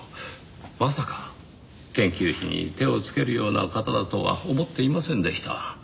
まさか研究費に手をつけるような方だとは思っていませんでした。